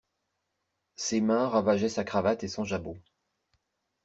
Ses mains ravageaient sa cravate et son jabot.